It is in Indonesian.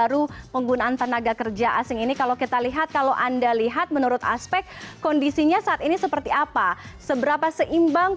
kementerian tenaga kerja asing mencapai satu ratus dua puluh enam orang